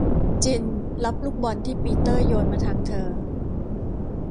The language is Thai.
จิลรับลูกบอลที่ปีเตอร์โยนมาทางเธอ